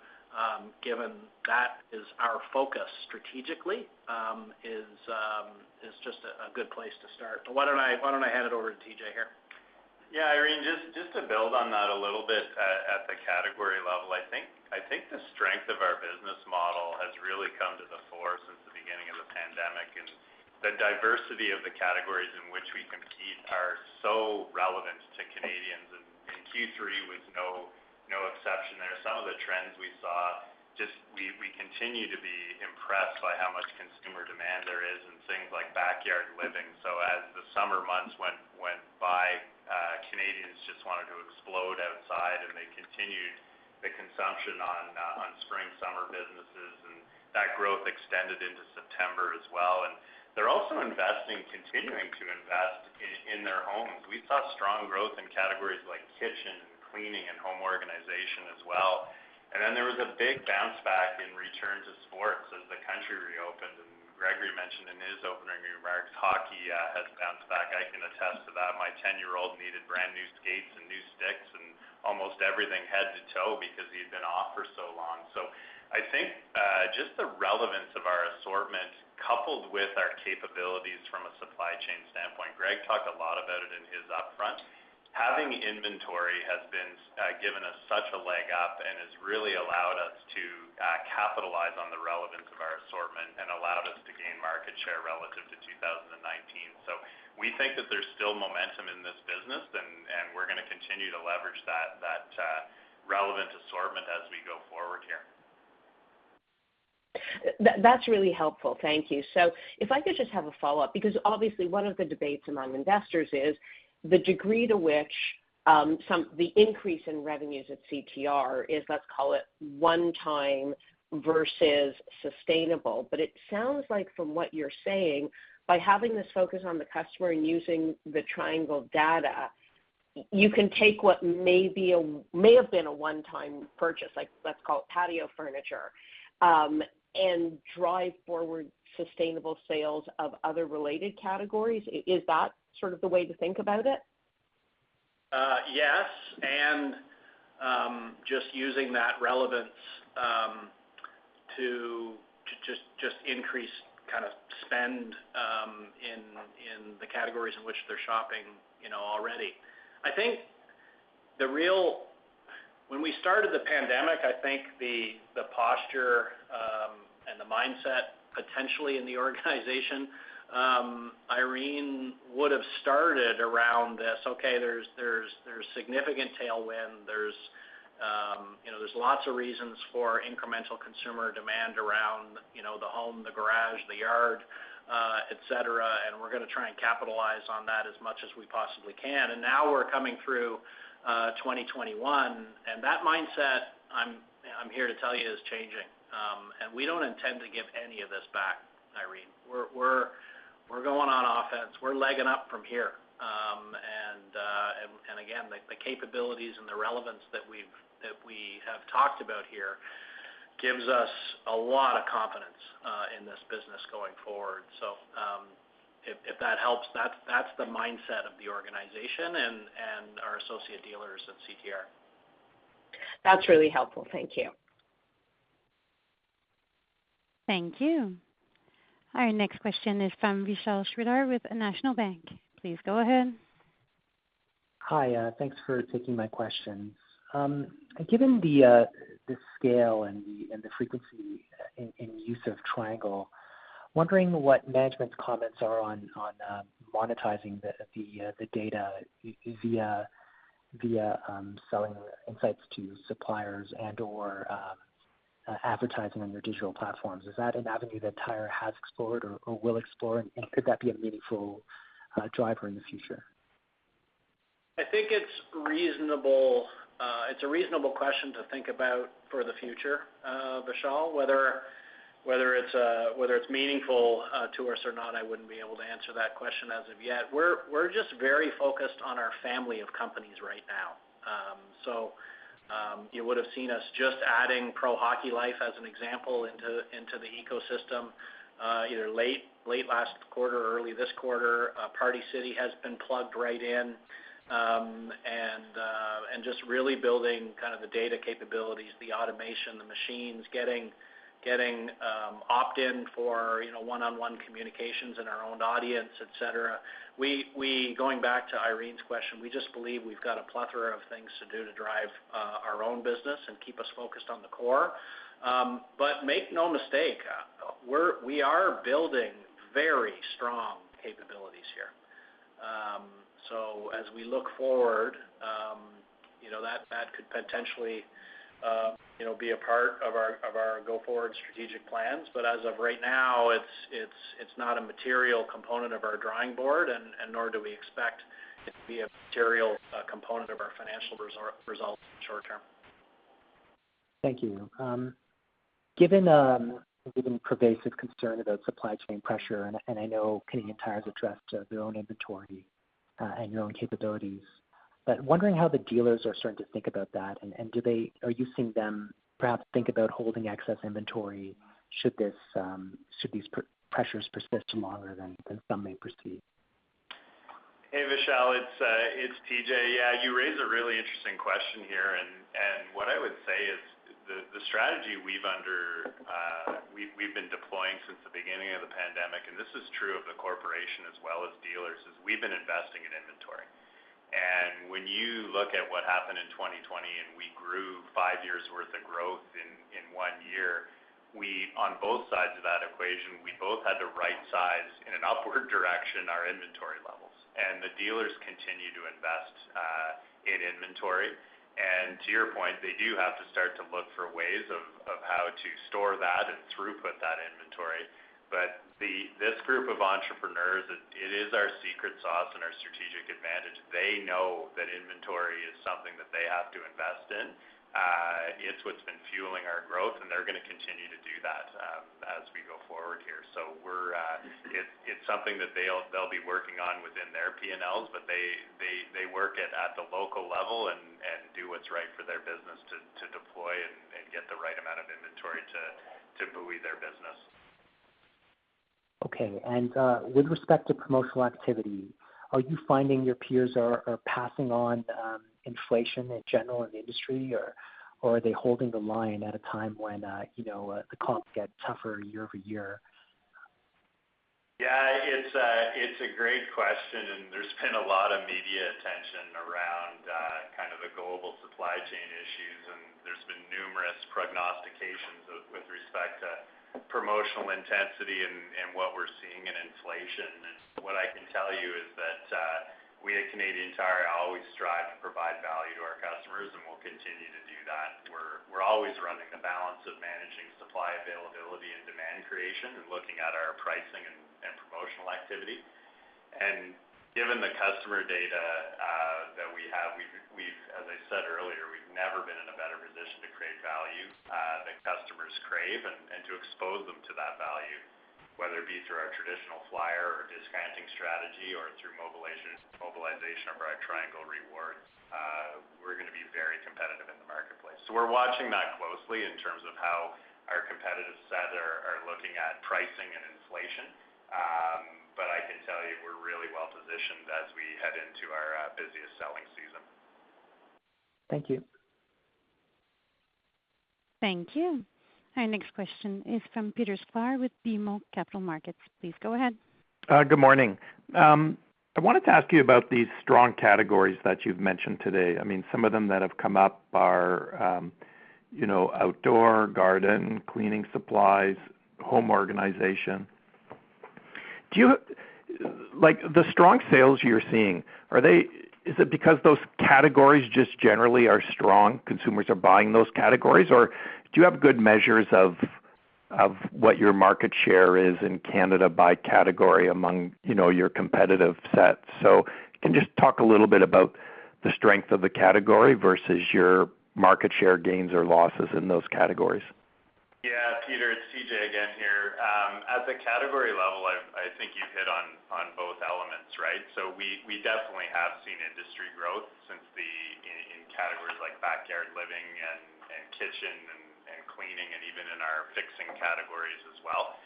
given that is our focus strategically, is just a good place to start. Why don't I hand it over to TJ here? Yeah, Irene, just to build on that a little bit at the category level. I think the strength of our business model has really come to the fore since the beginning of the pandemic, and the diversity of the categories in which we compete are so relevant to Canadians. In Q3 with no exception there. Some of the trends we saw, we continue to be impressed by how much consumer demand there is in things like backyard living. As the summer months went by, Canadians just wanted to explode outside, and they continued the consumption on spring/summer businesses, and that growth extended into September as well. They're also investing, continuing to invest in their homes. We saw strong growth in categories like kitchen and cleaning and home organization as well. Then there was a big bounce back in return to sports as the country reopened, and Gregory mentioned in his opening remarks, hockey has bounced back. I can attest to that. My 10-year-old needed brand-new skates and new sticks and almost everything head to toe because he'd been off for so long. I think just the relevance of our assortment, coupled with our capabilities from a supply chain standpoint, Greg talked a lot about it in his upfront. Having inventory has been given us such a leg up and has really allowed us to capitalize on the relevance of our assortment and allowed us to gain market share relative to 2019. We think that there's still momentum in this business, and we're gonna continue to leverage that relevant assortment as we go forward here. That's really helpful. Thank you. If I could just have a follow-up, because obviously one of the debates among investors is the degree to which the increase in revenues at CTR is, let's call it one-time versus sustainable. It sounds like from what you're saying, by having this focus on the customer and using the Triangle data, you can take what may have been a one-time purchase, like let's call it patio furniture, and drive forward sustainable sales of other related categories. Is that sort of the way to think about it? Yes, just using that relevance to just increase kind of spend in the categories in which they're shopping, you know, already. When we started the pandemic, I think the posture and the mindset potentially in the organization. Irene would have started around this. Okay, there's significant tailwind. There's lots of reasons for incremental consumer demand around, you know, the home, the garage, the yard, et cetera. We're gonna try and capitalize on that as much as we possibly can. Now we're coming through 2021. That mindset, I'm here to tell you, is changing. We don't intend to give any of this back, Irene. We're going on offense. We're legging up from here. Again, the capabilities and the relevance that we have talked about here gives us a lot of confidence in this business going forward. If that helps, that's the mindset of the organization and our associate dealers at CTR. That's really helpful. Thank you. Thank you. Our next question is from Vishal Shreedhar with National Bank. Please go ahead. Hi. Thanks for taking my questions. Given the scale and the frequency in use of Triangle, wondering what management's comments are on monetizing the data via advertising on your digital platforms. Is that an avenue that Tire has explored or will explore, and could that be a meaningful driver in the future? I think it's reasonable. It's a reasonable question to think about for the future, Vishal. Whether it's meaningful to us or not, I wouldn't be able to answer that question as of yet. We're just very focused on our family of companies right now. You would have seen us just adding Pro Hockey Life as an example into the ecosystem, either late last quarter or early this quarter. Party City has been plugged right in. Just really building kind of the data capabilities, the automation, the machines, getting opt-in for, you know, one-on-one communications in our own audience, et cetera. Going back to Irene's question, we just believe we've got a plethora of things to do to drive our own business and keep us focused on the core. Make no mistake, we are building very strong capabilities here. As we look forward, you know, that could potentially, you know, be a part of our go-forward strategic plans. As of right now, it's not a material component of our drawing board, and nor do we expect it to be a material component of our financial results in the short term. Thank you. Given pervasive concern about supply chain pressure, and I know Canadian Tire's addressed their own inventory and your own capabilities. Wondering how the dealers are starting to think about that, and do they? Are you seeing them perhaps think about holding excess inventory should these pressures persist longer than some may perceive? Hey, Vishal, it's TJ. Yeah, you raise a really interesting question here. What I would say is the strategy we've been deploying since the beginning of the pandemic, and this is true of the corporation as well as dealers, is we've been investing in inventory. When you look at what happened in 2020, and we grew five years' worth of growth in one year, we on both sides of that equation, we both had to right size in an upward direction our inventory levels. The dealers continue to invest in inventory. To your point, they do have to start to look for ways of how to store that and throughput that inventory. But this group of entrepreneurs, it is our secret sauce and our strategic advantage. They know that inventory is something that they have to invest in. It's what's been fueling our growth, and they're gonna continue to do that, as we go forward here. It's something that they'll be working on within their P&Ls, but they work it at the local level and do what's right for their business to deploy and get the right amount of inventory to buoy their business. Okay. With respect to promotional activity, are you finding your peers are passing on inflation in general in the industry, or are they holding the line at a time when you know the comps get tougher year over year? Yeah, it's a great question, and there's been a lot of media attention around kind of the global supply chain issues, and there's been numerous prognostications with respect to promotional intensity and what we're seeing in inflation. What I can tell you is that we at Canadian Tire always strive to provide value to our customers, and we'll continue to do that. We're always running the balance of managing supply availability and demand creation and looking at our pricing and promotional activity. Given the customer data that we have, as I said earlier, we've never been in a better position to create value that customers crave and to expose them to that value, whether it be through our traditional flyer or discounting strategy or through mobilization of our Triangle Rewards. We're gonna be very competitive in the marketplace. We're watching that closely in terms of how our competitive set are looking at pricing and inflation. But I can tell you we're really well positioned as we head into our busiest selling season. Thank you. Thank you. Our next question is from Peter Sklar with BMO Capital Markets. Please go ahead. Good morning. I wanted to ask you about these strong categories that you've mentioned today. I mean, some of them that have come up are, you know, outdoor garden, cleaning supplies, home organization. Like, the strong sales you're seeing, are they? Is it because those categories just generally are strong, consumers are buying those categories? Or do you have good measures of what your market share is in Canada by category among, you know, your competitive set? Can you just talk a little bit about the strength of the category versus your market share gains or losses in those categories? Yeah, Peter, it's TJ again here. At the category level, I think you've hit on both elements, right? We definitely have seen industry growth since in categories like backyard living and kitchen and cleaning and even in our fixing categories as well.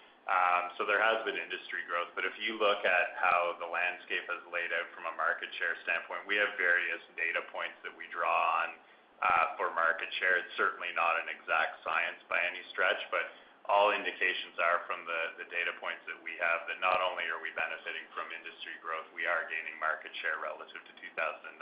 There has been industry growth. If you look at how the landscape has laid out from a market share standpoint, we have various data points that we draw on for market share. It's certainly not an exact science by any stretch, but all indications are from the data points that we have that not only are we benefiting from industry growth, we are gaining market share relative to 2019.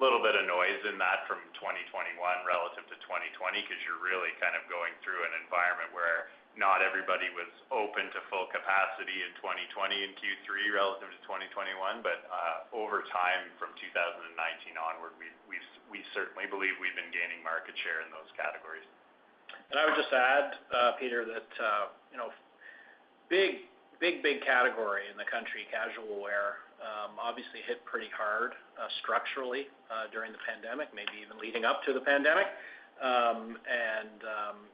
Little bit of noise in that from 2021 relative to 2020 because you're really kind of going through an environment where not everybody was open to full capacity in 2020 in Q3 relative to 2021. Over time, from 2019 onward, we certainly believe we've been gaining market share in those categories. I would just add, Peter, that you know, big category in the country, casual wear, obviously hit pretty hard, structurally, during the pandemic, maybe even leading up to the pandemic.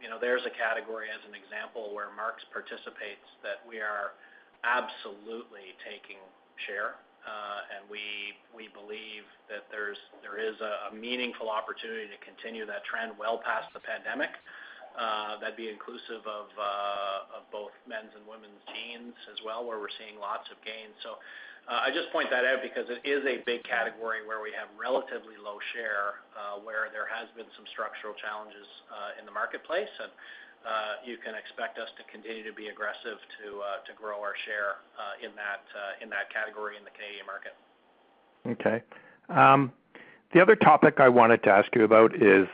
You know, there's a category as an example where Mark's participates that we are absolutely taking share. We believe that there is a meaningful opportunity to continue that trend well past the pandemic. That'd be inclusive of both men's and women's jeans as well, where we're seeing lots of gains. I just point that out because it is a big category where we have relatively low share, where there has been some structural challenges in the marketplace. You can expect us to continue to be aggressive to grow our share in that category in the Canadian market. Okay. The other topic I wanted to ask you about is,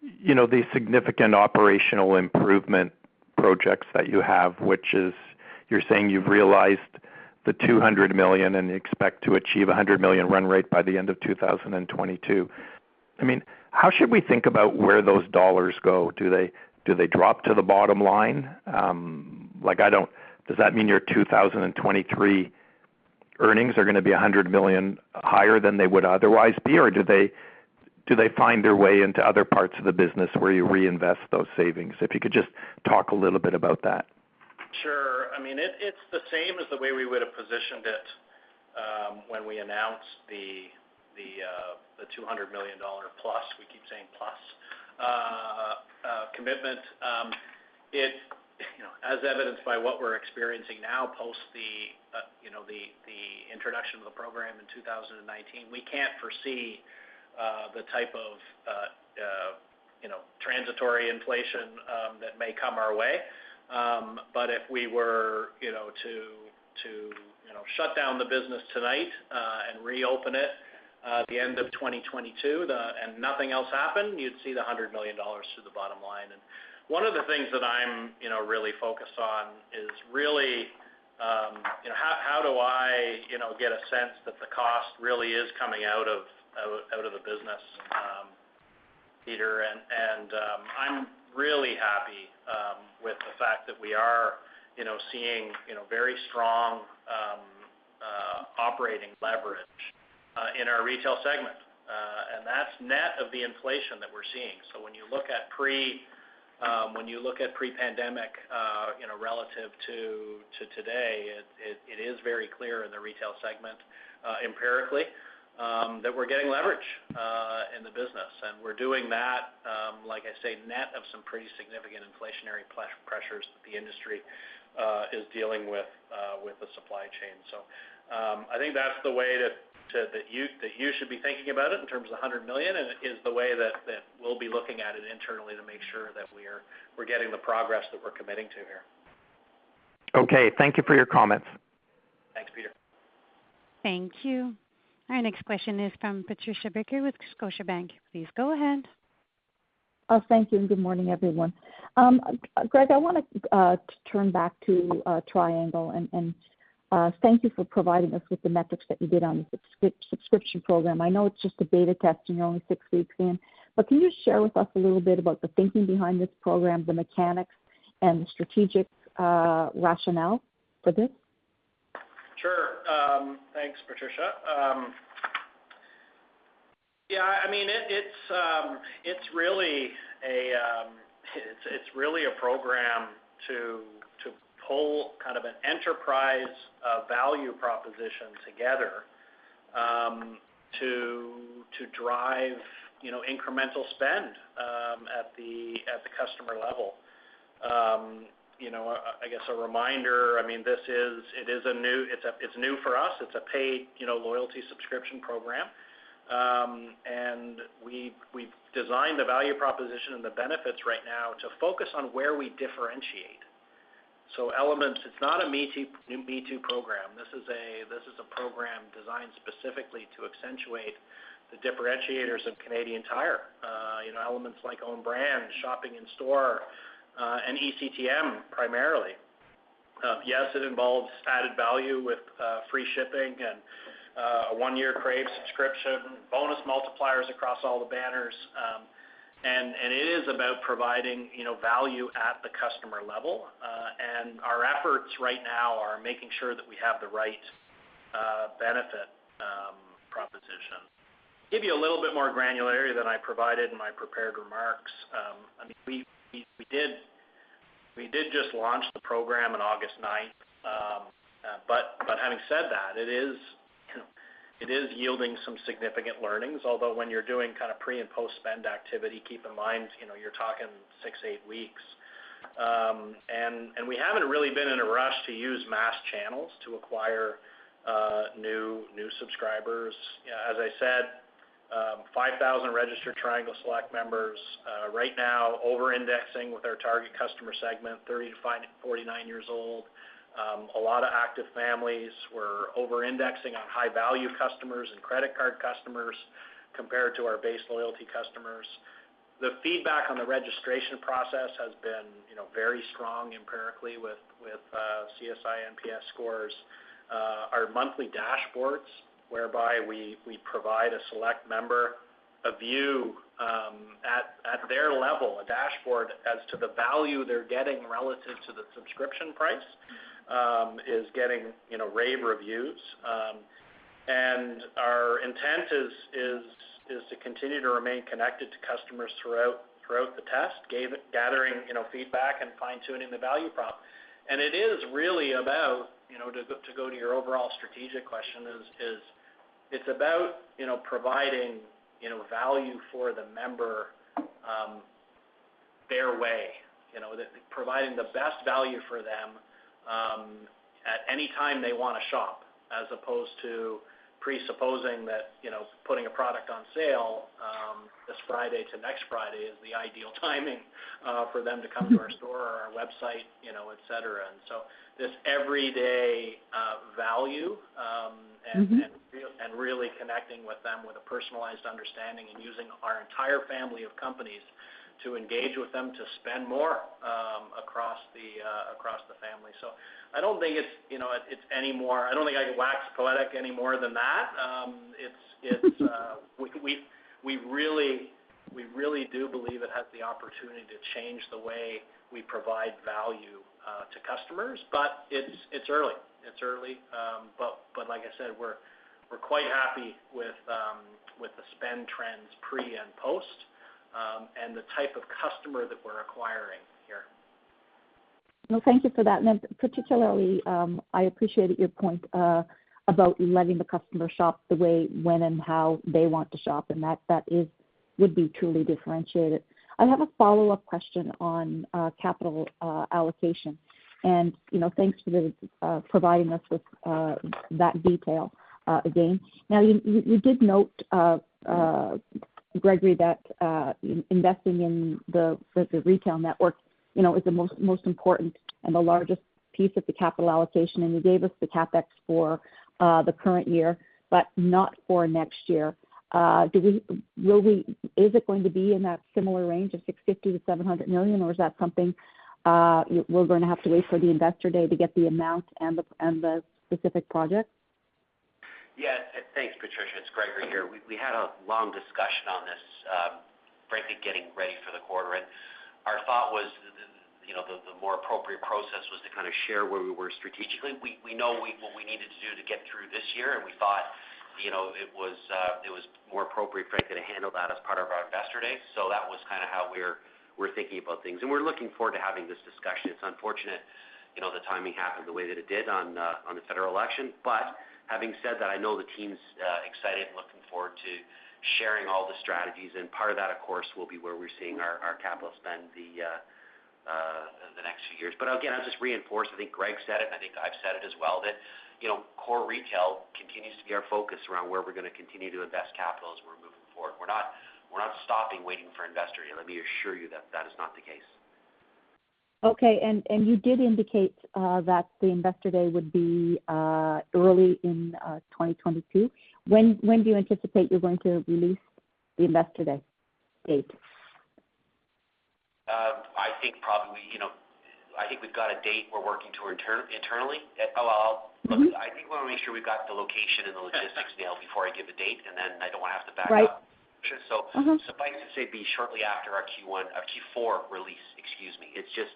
you know, the significant operational improvement projects that you have, which is you're saying you've realized 200 million and you expect to achieve a 100 million run rate by the end of 2022. I mean, how should we think about where those dollars go? Do they drop to the bottom line? Like, does that mean your 2023 earnings are gonna be 100 million higher than they would otherwise be? Or do they find their way into other parts of the business where you reinvest those savings? If you could just talk a little bit about that. Sure. I mean, it's the same as the way we would have positioned it, when we announced the 200 million dollar plus—we keep saying plus—commitment. It you know, as evidenced by what we're experiencing now, post the introduction of the program in 2019, we can't foresee the type of you know, transitory inflation that may come our way. But if we were you know, to shut down the business tonight and reopen it at the end of 2022, and nothing else happened, you'd see the 100 million dollars to the bottom line. One of the things that I'm you know really focused on is really you know how do I you know get a sense that the cost really is coming out of out of the business, Peter. I'm really happy with the fact that we are you know seeing you know very strong operating leverage in our retail segment and that's net of the inflation that we're seeing. When you look at pre-pandemic you know relative to today it is very clear in the retail segment empirically that we're getting leverage in the business. We're doing that like I say net of some pretty significant inflationary pressures that the industry is dealing with with the supply chain. I think that's the way that you should be thinking about it in terms of 100 million, and it is the way that we'll be looking at it internally to make sure that we're getting the progress that we're committing to here. Okay. Thank you for your comments. Thanks, Peter. Thank you. Our next question is from Patricia Baker with Scotiabank. Please go ahead. Thank you, and good morning, everyone. Greg, I wanted to turn back to Triangle and thank you for providing us with the metrics that you did on the subscription program. I know it's just a beta test and you're only six weeks in, but can you share with us a little bit about the thinking behind this program, the mechanics and the strategic rationale for this? Sure. Thanks, Patricia. Yeah, I mean, it's really a program to pull kind of an enterprise value proposition together, to drive, you know, incremental spend at the customer level. You know, I guess a reminder. I mean, this is new for us. It's a paid, you know, loyalty subscription program. We've designed the value proposition and the benefits right now to focus on where we differentiate. So Elements, it's not a me-too new me-too program. This is a program designed specifically to accentuate the differentiators of Canadian Tire, you know, elements like own brand, shopping in store, and eCTM primarily. Yes, it involves added value with free shipping and a 1-year Crave subscription, bonus multipliers across all the banners. It is about providing, you know, value at the customer level. Our efforts right now are making sure that we have the right benefit proposition. Give you a little bit more granularity than I provided in my prepared remarks. I mean, we did just launch the program on August 9. Having said that, it is yielding some significant learnings. Although when you're doing kind of pre- and post-spend activity, keep in mind, you know, you're talking six, eight weeks. We haven't really been in a rush to use mass channels to acquire new subscribers. As I said, 5,000 registered Triangle Select members, right now over-indexing with our target customer segment, 35 years-49 years old. A lot of active families. We're over-indexing on high-value customers and credit card customers compared to our base loyalty customers. The feedback on the registration process has been, you know, very strong empirically with CSI NPS scores. Our monthly dashboards, whereby we provide a Select member a view, at their level, a dashboard as to the value they're getting relative to the subscription price, is getting, you know, rave reviews. Our intent is to continue to remain connected to customers throughout the test, gathering, you know, feedback and fine-tuning the value prop. It is really about, you know, to go to your overall strategic question. It's about, you know, providing, you know, value for the member their way. You know, providing the best value for them at any time they wanna shop, as opposed to presupposing that, you know, putting a product on sale this Friday to next Friday is the ideal timing for them to come to our store or our website, you know, et cetera. This everyday value Mm-hmm. really connecting with them with a personalized understanding and using our entire family of companies to engage with them to spend more across the family. I don't think it's, you know, it's anymore. I don't think I can wax poetic any more than that. It's we really do believe it has the opportunity to change the way we provide value to customers, but it's early. like I said, we're quite happy with the spend trends pre and post and the type of customer that we're acquiring here. Well, thank you for that. Particularly, I appreciated your point about letting the customer shop the way, when, and how they want to shop, and that would be truly differentiated. I have a follow-up question on capital allocation. You know, thanks for providing us with that detail again. Now, you did note, Gregory, that investing in the retail network, you know, is the most important and the largest piece of the capital allocation. You gave us the CapEx for the current year, but not for next year. Is it going to be in that similar range of 650 million-700 million, or is that something, we're gonna have to wait for the Investor Day to get the amount and the specific projects? Yes. Thanks, Patricia. It's Gregory here. We had a long discussion on this, frankly, getting ready for the quarter. Our thought was, you know, the more appropriate process was to kind of share where we were strategically. We know what we needed to do to get through this year, and we thought, you know, it was more appropriate, frankly, to handle that as part of our Investor Day. That was kind of how we're thinking about things. We're looking forward to having this discussion. It's unfortunate, you know, the timing happened the way that it did on the federal election. Having said that, I know the team's excited and looking forward to sharing all the strategies. Part of that, of course, will be where we're seeing our capital spend the next few years. Again, I'll just reinforce, I think Greg said it, and I think I've said it as well, that you know, core retail continues to be our focus around where we're gonna continue to invest capital as we're moving forward. We're not stopping waiting for Investor Day. Let me assure you that is not the case. Okay. You did indicate that the Investor Day would be early in 2022. When do you anticipate you're going to release the Investor Day date? I think probably, you know, I think we've got a date we're working to internally. Mm-hmm. Look, I think we wanna make sure we've got the location and the logistics nailed before I give a date, and then I don't wanna have to back up. Right. Sure. Mm-hmm. Suffice to say it'd be shortly after our Q4 release, excuse me. It's just,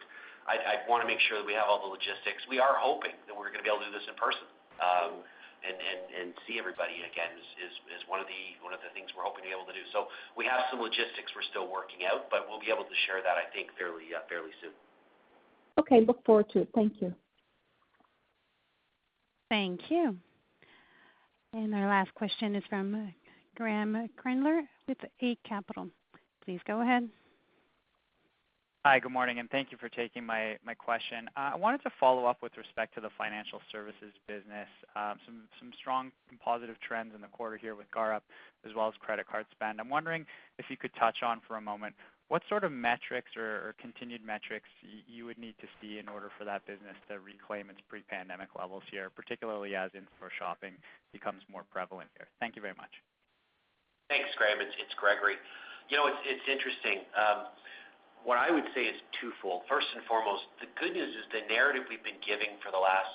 I'd wanna make sure that we have all the logistics. We are hoping that we're gonna be able to do this in person, and see everybody again is one of the things we're hoping to be able to do. We have some logistics we're still working out, but we'll be able to share that, I think, fairly soon. Okay. Look forward to it. Thank you. Thank you. Our last question is from Graeme Kreindler with Eight Capital. Please go ahead. Hi, good morning, and thank you for taking my question. I wanted to follow up with respect to the Financial Services business. Some strong and positive trends in the quarter here with GAR as well as credit card spend. I'm wondering if you could touch on for a moment what sort of metrics or continued metrics you would need to see in order for that business to reclaim its pre-pandemic levels here, particularly as in-store shopping becomes more prevalent here. Thank you very much. Thanks, Graham. It's Gregory. You know, it's interesting. What I would say is twofold. First and foremost, the good news is the narrative we've been giving for the last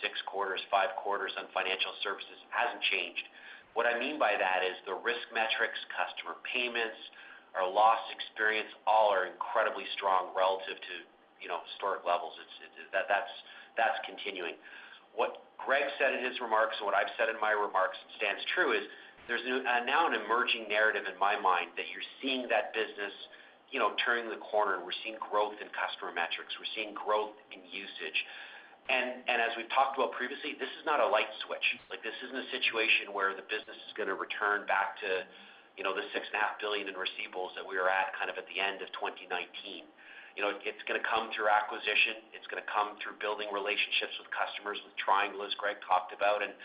six quarters, five quarters on financial services hasn't changed. What I mean by that is the risk metrics, customer payments, our loss experience all are incredibly strong relative to, you know, historic levels. It is. That's continuing. What Greg said in his remarks, and what I've said in my remarks stands true. There's now an emerging narrative in my mind that you're seeing that business, you know, turning the corner. We're seeing growth in customer metrics. We're seeing growth in usage. And as we've talked about previously, this is not a light switch. Like, this isn't a situation where the business is gonna return back to, you know, the 6.5 billion in receivables that we were at kind of at the end of 2019. You know, it's gonna come through acquisition. It's gonna come through building relationships with customers, with Triangle as Greg talked about. You know,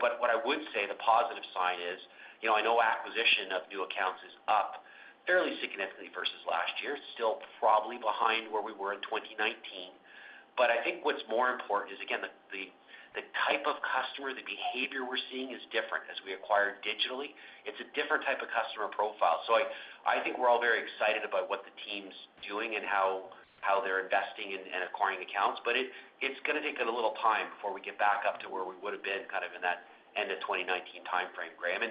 but what I would say the positive sign is, you know, I know acquisition of new accounts is up fairly significantly versus last year, still probably behind where we were in 2019. But I think what's more important is, again, the type of customer, the behavior we're seeing is different as we acquire digitally. It's a different type of customer profile. So I think we're all very excited about what the team's doing and how they're investing in and acquiring accounts. It's gonna take a little time before we get back up to where we would have been kind of in that end of 2019 timeframe, Graham.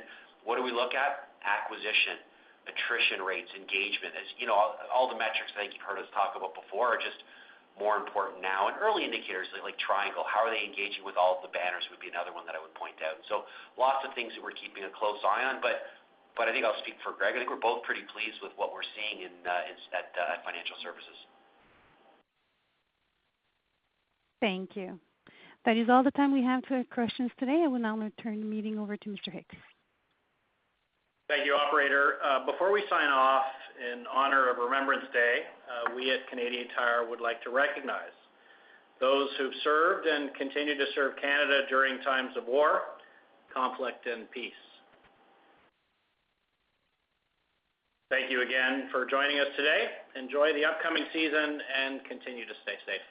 What do we look at? Acquisition, attrition rates, engagement. As you know, all the metrics I think you've heard us talk about before are just more important now. Early indicators like Triangle, how are they engaging with all of the banners would be another one that I would point out. Lots of things that we're keeping a close eye on, but I think I'll speak for Greg. I think we're both pretty pleased with what we're seeing in that at Financial Services. Thank you. That is all the time we have for questions today. I will now turn the meeting over to Mr. Hicks. Thank you, operator. Before we sign off, in honor of Remembrance Day, we at Canadian Tire would like to recognize those who've served and continue to serve Canada during times of war, conflict and peace. Thank you again for joining us today. Enjoy the upcoming season and continue to stay safe.